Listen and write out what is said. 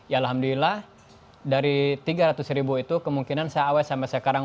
ya alhamdulillah dari tiga ratus ribu itu kemungkinan saya awet sampai sekarang